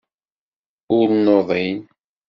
Ur nuḍin.